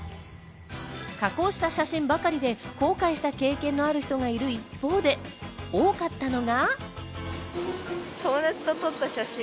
加工した写真ばかりで後悔した経験のある人がいる一方で、多かったのが。